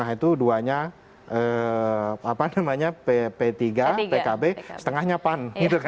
dua lima itu duanya apa namanya p tiga pkb setengahnya pan